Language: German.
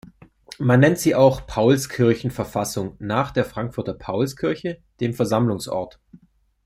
Man nennt sie auch "Paulskirchenverfassung", nach der Frankfurter Paulskirche, dem Versammlungsort.